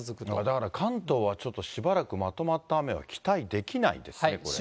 だから関東はちょっと、しばらくまとまった雨は期待できないですね、これね。